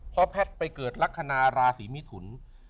พอแพทย์ไปเกิดลักษณะราศีมิถุน